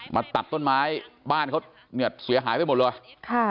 ตัดต้นไม้บ้านเขาเนี่ยเสียหายไปหมดเลยค่ะ